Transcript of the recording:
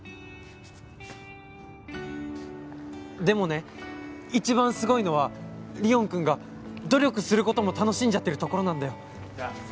でもね一番すごいのは凛音くんが努力する事も楽しんじゃってるところなんだよ。